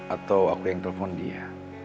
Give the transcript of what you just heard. atau aku yang telepon dia